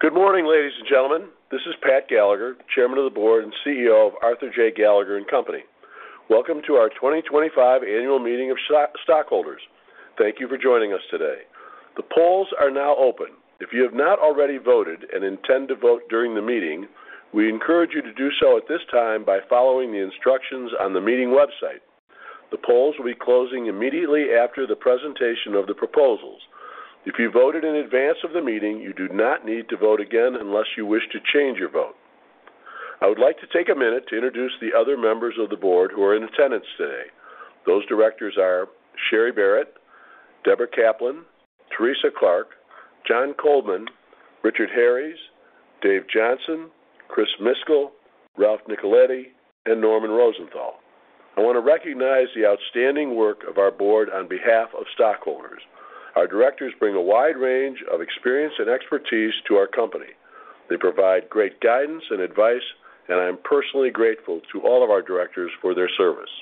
Good morning, ladies and gentlemen. This is Patrick Gallagher, Chairman of the Board and CEO of Arthur J. Gallagher & Company. Welcome to our 2025 Annual Meeting of Stockholders. Thank you for joining us today. The polls are now open. If you have not already voted and intend to vote during the meeting, we encourage you to do so at this time by following the instructions on the meeting website. The polls will be closing immediately after the presentation of the proposals. If you voted in advance of the meeting, you do not need to vote again unless you wish to change your vote. I would like to take a minute to introduce the other members of the board who are in attendance today. Those directors are Sherry Barrett, Deborah Kaplan, Teresa Clark, John Coleman, Richard Harris, Dave Johnson, Chris Miskelle, Ralph Micotti, and Norman Rosenthal. I want to recognize the outstanding work of our board on behalf of stockholders. Our directors bring a wide range of experience and expertise to our company. They provide great guidance and advice, and I am personally grateful to all of our directors for their service.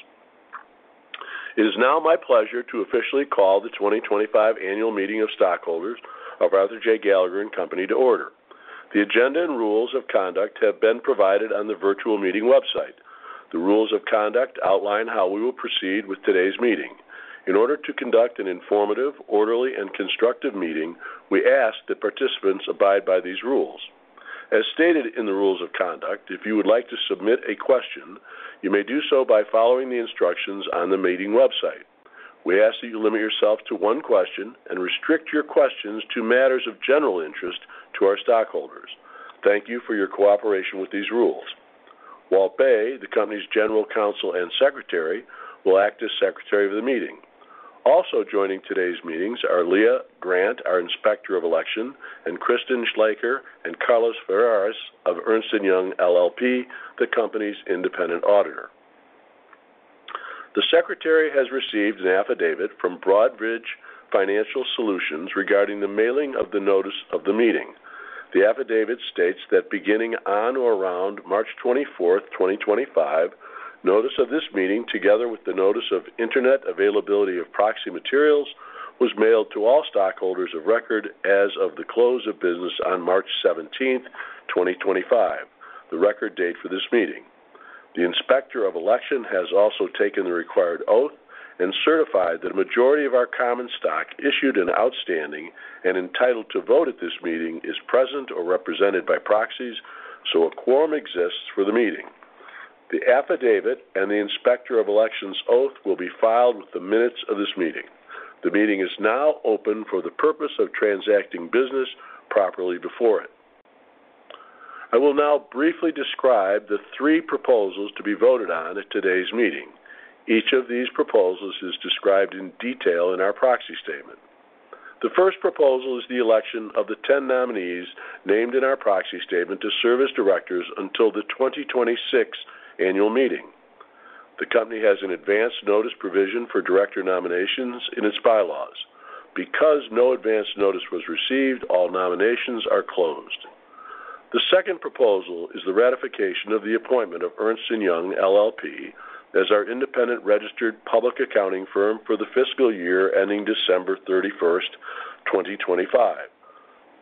It is now my pleasure to officially call the 2025 Annual Meeting of Stockholders of Arthur J. Gallagher & Company to order. The agenda and rules of conduct have been provided on the virtual meeting website. The rules of conduct outline how we will proceed with today's meeting. In order to conduct an informative, orderly, and constructive meeting, we ask that participants abide by these rules. As stated in the rules of conduct, if you would like to submit a question, you may do so by following the instructions on the meeting website. We ask that you limit yourself to one question and restrict your questions to matters of general interest to our stockholders. Thank you for your cooperation with these rules. Walt Bay, the company's General Counsel and Secretary, will act as Secretary of the meeting. Also joining today's meeting are Leah Grant, our Inspector of Election, and Kristin Schleicher and Carlos Ferrari of Ernst & Young LLP, the company's independent auditor. The Secretary has received an affidavit from Broadridge Financial Solutions regarding the mailing of the notice of the meeting. The affidavit states that beginning on or around March 24, 2025, notice of this meeting, together with the notice of internet availability of proxy materials, was mailed to all stockholders of record as of the close of business on March 17th, 2025, the record date for this meeting. The inspector of election has also taken the required oath and certified that a majority of our common stock issued and outstanding and entitled to vote at this meeting is present or represented by proxies, so a quorum exists for the meeting. The affidavit and the inspector of election's oath will be filed with the minutes of this meeting. The meeting is now open for the purpose of transacting business properly before it. I will now briefly describe the three proposals to be voted on at today's meeting. Each of these proposals is described in detail in our proxy statement. The first proposal is the election of the 10 nominees named in our proxy statement to serve as directors until the 2026 Annual Meeting. The company has an advance notice provision for director nominations in its bylaws. Because no advance notice was received, all nominations are closed. The second proposal is the ratification of the appointment of Ernst & Young LLP as our independent registered public accounting firm for the fiscal year ending December 31st, 2025.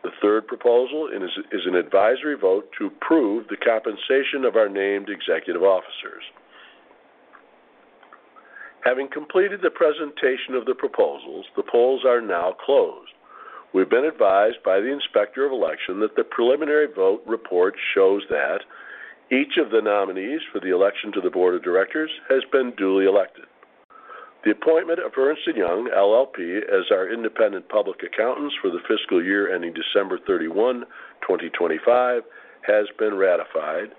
The third proposal is an advisory vote to approve the compensation of our named executive officers. Having completed the presentation of the proposals, the polls are now closed. We've been advised by the inspector of election that the preliminary vote report shows that each of the nominees for the election to the board of directors has been duly elected. The appointment of Ernst & Young LLP as our independent registered public accounting firm for the fiscal year ending December 31, 2025, has been ratified,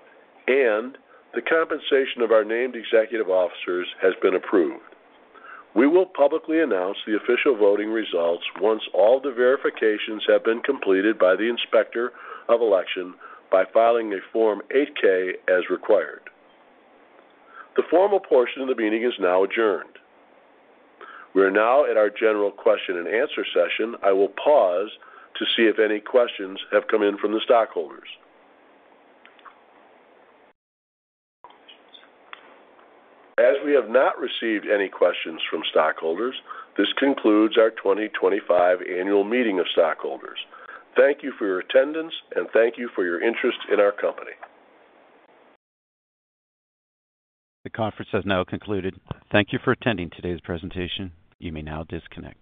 and the compensation of our named executive officers has been approved. We will publicly announce the official voting results once all the verifications have been completed by the inspector of election by filing a Form 8-K as required. The formal portion of the meeting is now adjourned. We are now at our general question and answer session. I will pause to see if any questions have come in from the stockholders. As we have not received any questions from stockholders, this concludes our 2025 Annual Meeting of Stockholders. Thank you for your attendance, and thank you for your interest in our company. The conference has now concluded. Thank you for attending today's presentation. You may now disconnect.